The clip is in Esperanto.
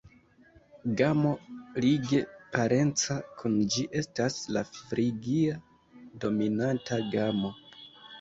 Gamo lige parenca kun ĝi estas la frigia-dominanta gamo.